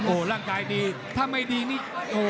โอ้โห